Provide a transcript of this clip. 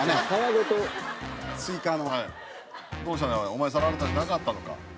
「おまえさらわれたんじゃなかったのか」